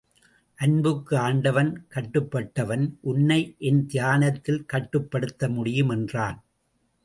அன்புக்கு ஆண்டவன் கட்டுப்பட்ட வன் உன்னை என் தியானத்தில் கட்டுப்படுத்த முடியும் என்றான்.